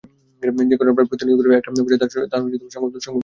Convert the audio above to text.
যে ঘটনা প্রায় প্রতিনিয়ত ঘটে, একটা পর্যায়ে তার সংবাদমূল্য ফুরিয়ে যায়।